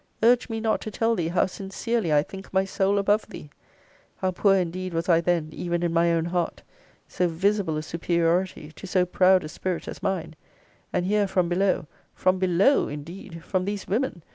Urge me not to tell thee how sincerely I think my soul above thee! How poor indeed was I then, even in my own heart! So visible a superiority, to so proud a spirit as mine! And here from below, from BELOW indeed! from these women!